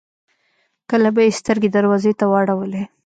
کله به يې سترګې دروازې ته واړولې.